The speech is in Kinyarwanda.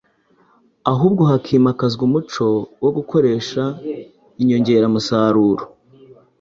ahubwo hakimakazwa umuco wo gukoresha inyongeramusaruro.